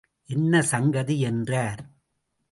என்ன சங்கதி? என்றார்.